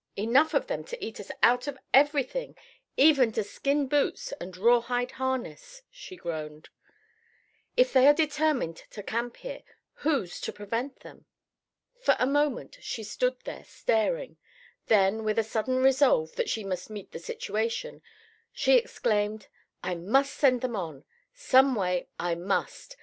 "Enough of them to eat us out of everything, even to skin boots and rawhide harness," she groaned. "If they are determined to camp here, who's to prevent them?" For a moment she stood there staring; then with a sudden resolve that she must meet the situation, she exclaimed: "I must send them on. Some way, I must.